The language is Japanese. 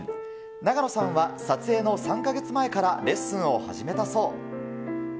永野さんは撮影の３か月前からレッスンを始めたそう。